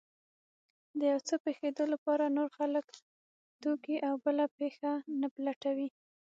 د يو څه پېښېدو لپاره نور خلک، توکي او بله پېښه نه لټوي.